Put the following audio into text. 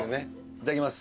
いただきます。